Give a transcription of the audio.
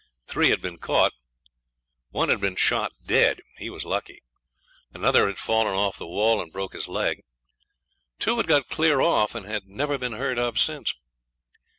Three had been caught. One had been shot dead he was lucky another had fallen off the wall and broke his leg. Two had got clear off, and had never been heard of since.